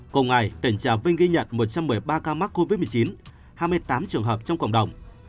cùng ngày tỉnh trà vinh ghi nhận một trăm một mươi ba ca mắc covid một mươi chín hai mươi tám trường hợp trong cộng đồng